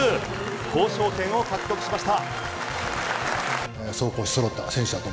交渉権を獲得しました。